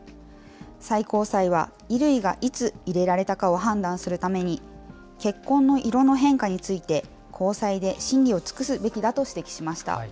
最高裁は、衣類がいつ入れられたかを判断するために、血痕の色の変化について、高裁で審理を尽くすべきだと指摘しました。